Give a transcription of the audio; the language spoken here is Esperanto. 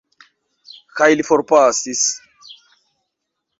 Kaj li forpasis.